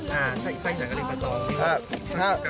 ใช่อิสานก็เรียกปลาตอง